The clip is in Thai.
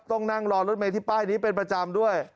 ต้องนั่งรอรถเมย์ที่ป้ายนี้เป็นประจำด้วย